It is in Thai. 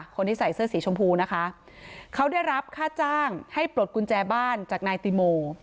คนที่ใส่เสื้อสีชมพูนะคะเขาได้รับค่าจ้างให้ปลดกุญแจบ้านจากนายติโม